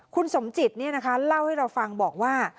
คุณสมจิตเล่าให้เราฟังบอกว่า